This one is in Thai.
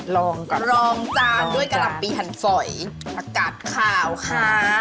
รองจานด้วยกะล่ำปีหันฝ่อยอากาศขาวค่ะ